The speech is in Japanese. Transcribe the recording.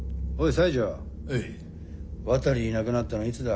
渡いなくなったのいつだ？